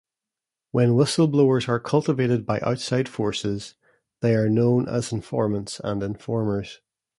When whistle-blowers are cultivated by outside forces, they are known as informants and informers.